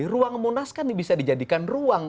ruang munas kan bisa dijadikan ruang